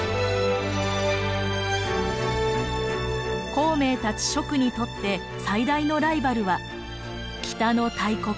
孔明たち蜀にとって最大のライバルは北の大国魏でした。